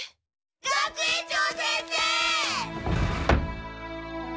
学園長先生！